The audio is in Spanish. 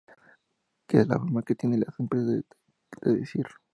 que es la forma que tienen las empresas de decir